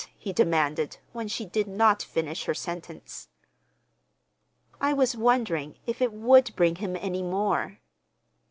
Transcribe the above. he demanded, when she did not finish her sentence. "I was wondering—if it would bring him any more."